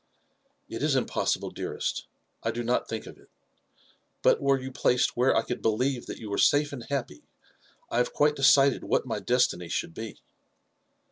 '* It is impossible, dearesi, — I do not think of il ; bnt mem you placed where I could believe that you were safe and happy« I har« quite decided what my destiny shoidd be."